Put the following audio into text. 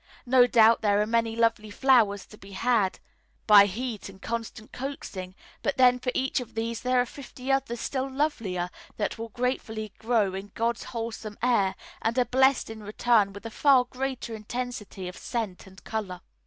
No doubt there are many lovely flowers to be had by heat and constant coaxing, but then for each of these there are fifty others still lovelier that will gratefully grow in God's wholesome air and are blessed in return with a far greater intensity of scent and colour.